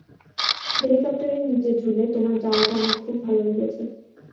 হেলিকপ্টারের নিচে ঝুলে, তোমার যাওয়াটা আমার খুব ভালো লেগেছে।